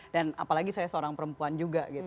dan apalagi saya seorang perempuan juga